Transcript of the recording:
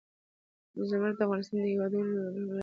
زمرد د افغانستان د هیوادوالو لپاره ویاړ دی.